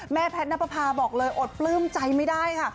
แม่แพทนัปพาบอกเลยอดปลื้มใจไม่ได้